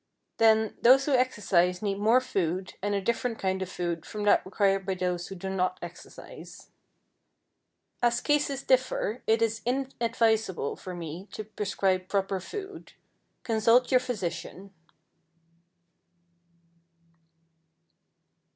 Then, those who exercise need more food and a different kind of food from that required by those who do not exercise. As cases differ, it is inadvisable for me to prescribe proper food. Consult your physician.